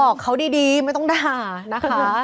บอกเขาดีไม่ต้องด่านะคะ